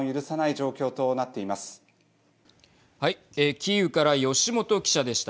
キーウから吉元記者でした。